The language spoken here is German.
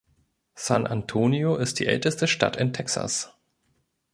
San Antonio ist die älteste Stadt in Texas.